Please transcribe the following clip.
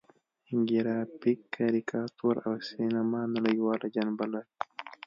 ګرافیک، کاریکاتور او سینما نړیواله جنبه لري.